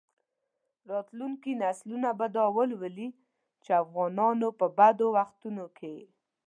راتلونکي نسلونه به دا ولولي چې افغانانو په بدو وختونو کې.